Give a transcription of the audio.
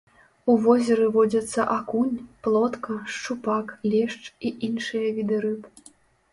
У возеры водзяцца акунь, плотка, шчупак, лешч і іншыя віды рыб.